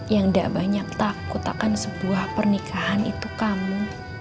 yang gak banyak takut akan sebuah pernikahan itu kamu